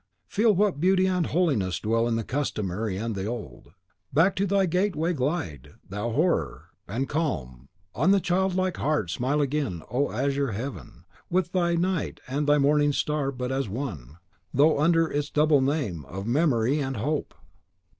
Feel what beauty and holiness dwell in the Customary and the Old. Back to thy gateway glide, thou Horror! and calm, on the childlike heart, smile again, O azure Heaven, with thy night and thy morning star but as one, though under its double name of Memory and Hope!"